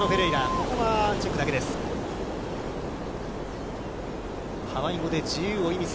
ここはチェックだけです。